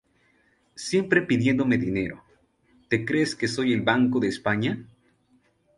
Siempre pidiéndome dinero, ¿te crees que soy el Banco de España?